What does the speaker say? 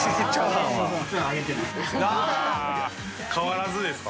変わらずですか？